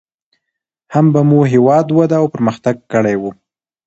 هم به مو هېواد وده او پرمختګ کړى و.